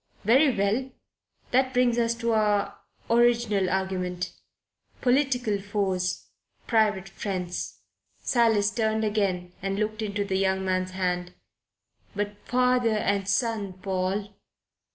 "Very well. That brings us to our original argument. 'Political foes. Private friends.'" Silas turned again and looked into the young man's eyes. "But father and son, Paul."